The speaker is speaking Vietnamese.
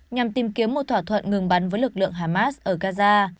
nhằm tìm kiếm một thỏa thuận ngừng bắn với lực lượng hamas ở gaza